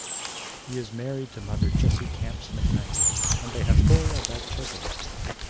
He is married to Mother Jessie Camps McKnight, and they have four adult children.